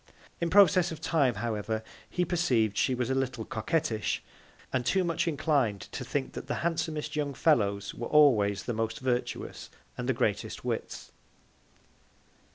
In Process of Time, however, he perceiv'd she was a little Coquettish, and too much inclin'd to think, that the handsomest young Fellows were always the most virtuous and the greatest Wits.